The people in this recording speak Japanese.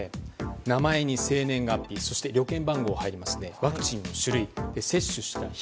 名前に生年月日そして旅券番号が入りましてワクチンの種類、接種した日。